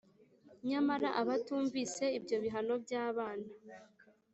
Nyamara abatumvise ibyo bihano by’abana,